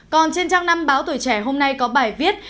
còn trên trang năm báo tuổi trẻ hôm nay có bài viết